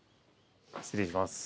失礼します。